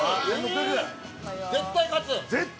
絶対に勝つ！